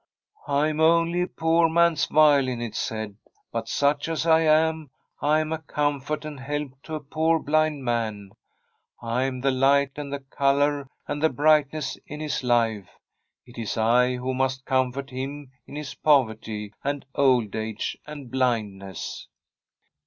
* I am only a poor man's violin,' it said ;' but iiuch as I am, I am a comfort and help to a poor blind man. I am the light and the colour and the brightness in his life. It is I who must com fort him in his poverty and old age and blind ness.'